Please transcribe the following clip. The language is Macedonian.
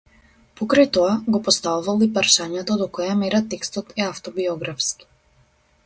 Покрај тоа го поставувал и прашањето до која мера текстот е автобиографски.